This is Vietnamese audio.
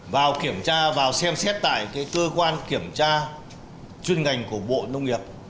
vào kiểm tra và xem xét tại cơ quan kiểm tra chuyên ngành của bộ nông nghiệp